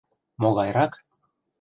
Могайрак?